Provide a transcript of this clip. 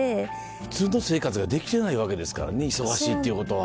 普通の生活ができてないわけですからね忙しいっていうことは。